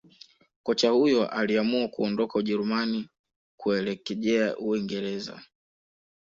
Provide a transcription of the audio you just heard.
Kocha huyo aliamua kuondoka Ujerumani kuelekjea uingereza